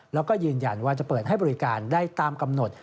แล้วก็ยืนยันว่าจะเปิดให้บริการได้ตามกำหนด